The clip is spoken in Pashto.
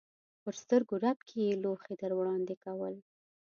په سترګو رپ کې یې لوښي در وړاندې کول.